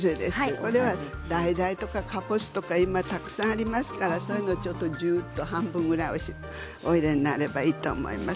これは、だいだいとかかぼすとか今、たくさんありますからそういうのを、じゅーっと半分ぐらいお入れになればいいと思います。